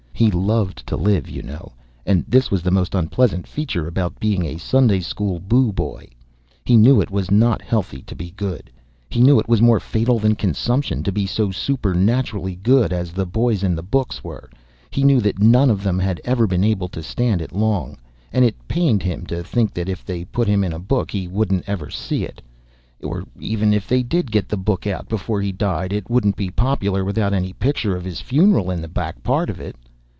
He loved to live, you know, and this was the most unpleasant feature about being a Sunday school book boy. He knew it was not healthy to be good. He knew it was more fatal than consumption to be so supernaturally good as the boys in the books were; he knew that none of them had ever been able to stand it long, and it pained him to think that if they put him in a book he wouldn't ever see it, or even if they did get the book out before he died it wouldn't be popular without any picture of his funeral in the back part of it.